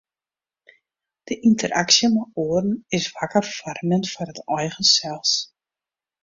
De ynteraksje mei oaren is wakker foarmjend foar it eigen sels.